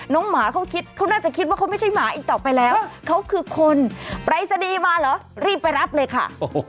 หมาเขาคิดเขาน่าจะคิดว่าเขาไม่ใช่หมาอีกต่อไปแล้วเขาคือคนปรายศนีย์มาเหรอรีบไปรับเลยค่ะ